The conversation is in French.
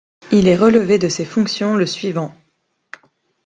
Il est relevé de ses fonctions le suivant.